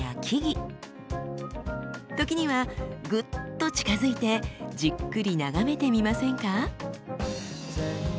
時にはグッと近づいてじっくり眺めてみませんか。